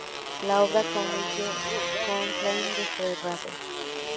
La obra concluye con Cain desterrado.